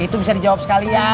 itu bisa dijawab sekalian